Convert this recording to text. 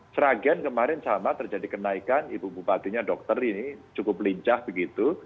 sragen kemarin sama terjadi kenaikan ibu bupatinya dokter ini cukup lincah begitu